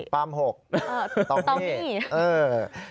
ปรัมหกตองมี่